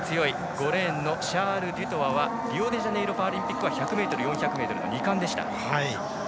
５レーンのシャール・デュトワはリオデジャネイロパラリンピックは１００ｍ、４００ｍの２冠でした。